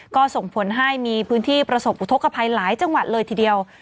ก็ส่งผลให้มีพื้นที่ประสบอุทธกภัยหลายจังหวัดเลยทีเดียว